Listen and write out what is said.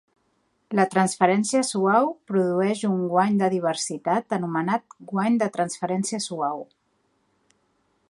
La transferència suau produeix un guany de diversitat anomenat guany de transferència suau.